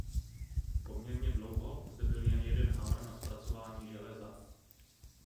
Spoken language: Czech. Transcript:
Poměrně dlouho zde byl jen jeden hamr na zpracovávání železa.